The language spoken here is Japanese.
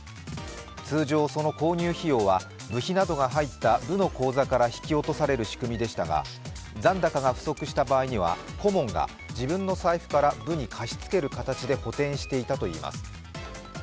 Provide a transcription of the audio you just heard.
通常、その購入費用は部費などが入った部の口座から引き落とされる仕組みでしたが残高が不足した場合には顧問が自分の財布から部に貸し付ける形で補填していたといいます。